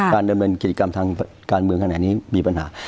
ดำเนินกิจกรรมทางการเมืองขณะนี้มีปัญหา